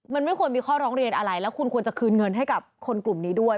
มันไม่ควรมีข้อร้องเรียนอะไรแล้วคุณควรจะคืนเงินให้กับคนกลุ่มนี้ด้วย